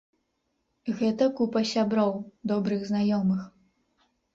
Гэта купа сяброў, добрых знаёмых.